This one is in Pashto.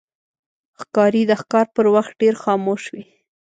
ښکاري د ښکار پر وخت ډېر خاموش وي.